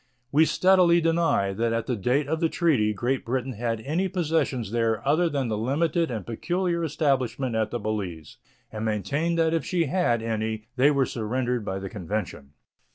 We steadily deny that at the date of the treaty Great Britain had any possessions there other than the limited and peculiar establishment at the Balize, and maintain that if she had any they were surrendered by the convention.